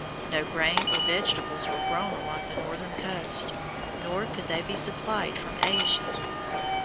No grain or vegetables were grown along that northern coast, nor could they be supplied from Asia.